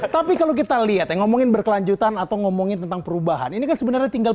tapi kalau kita lihat ya ngomongin berkelanjutan atau ngomongin tentang perubahan ini kan sebenarnya tinggal